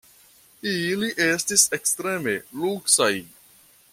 Ili estis ekstreme luksaj.